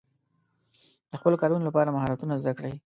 د خپلو کارونو لپاره مهارتونه زده کړئ.